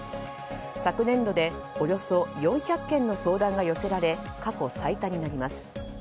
昨年度でおよそ４００件の相談が寄せられ過去最多になります。